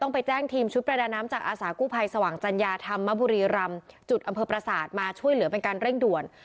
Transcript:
ไปแจ้งทีมชุดประดาน้ำจากอาสากู้ภัยสว่างจัญญาธรรมบุรีรำจุดอำเภอประสาทมาช่วยเหลือเป็นการเร่งด่วน